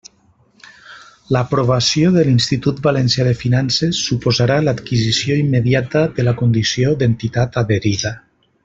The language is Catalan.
L'aprovació de l'Institut Valencià de Finances suposarà l'adquisició immediata de la condició d'entitat adherida.